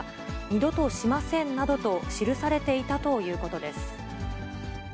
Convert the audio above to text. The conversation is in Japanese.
二度としませんなどと記されていたということです。